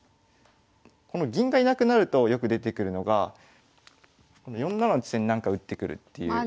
この銀がいなくなるとよく出てくるのがこの４七の地点になんか打ってくるっていうことで。